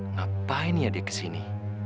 ngapain ya dia kesini